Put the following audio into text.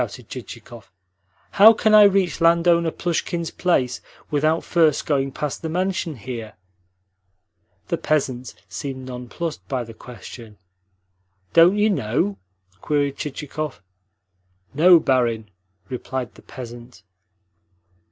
shouted Chichikov. "How can I reach landowner Plushkin's place without first going past the mansion here?" The peasant seemed nonplussed by the question. "Don't you know?" queried Chichikov. "No, barin," replied the peasant.